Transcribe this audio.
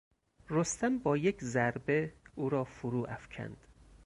رستم با یک ضربه او را فرو افکند.